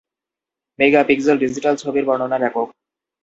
Mega pixel digital ছবির বর্ণনার একক।